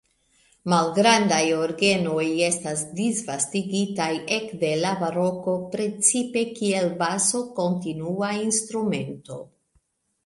Malgrandaj orgenoj estas disvastigitaj ekde la baroko precipe kiel baso-kontinua-instrumento.